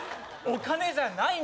お金じゃない。